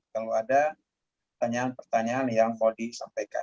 kalau ada pertanyaan pertanyaan yang mau disampaikan